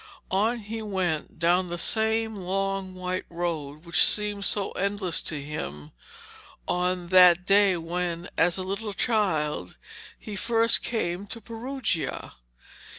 On he went down the same long white road which had seemed so endless to him that day when, as a little child, he first came to Perugia.